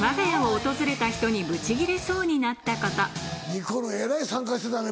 にこるんえらい参加してたね